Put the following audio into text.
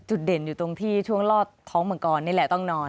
เด่นอยู่ตรงที่ช่วงลอดท้องมังกรนี่แหละต้องนอน